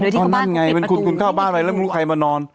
ได้โดยที่เข้าบ้านเก็บตึกโอ้นั่นไงมันคนคนเข้าบ้านมาอะไรแล้วมรึงรู้ใครมานอน